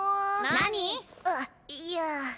何⁉あっいや。